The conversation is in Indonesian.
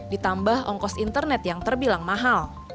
ditambah ongkos internet yang terbilang mahal